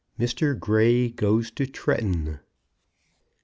MR. GREY GOES TO TRETTON.